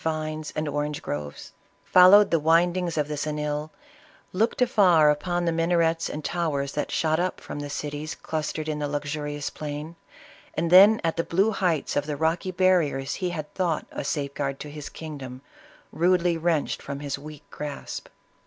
119 vines* and orange groves, followed the windings of the Xeuil, looked afar upon the minarets and towers that shot up from the cities clustered in the luxurious plain, and then at the blue heights of the rocky barriers he had thought a safeguard to his kingdom, rudely wrenched from his weak grasp.